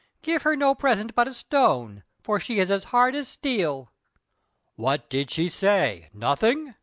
Give her no present but a stone, for she is as hard as steel." "What did she say? Nothing?"